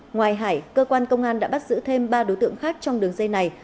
ngoài hải cơ quan công an đã bắt giữ thêm ba đối tượng khác trong đường dây này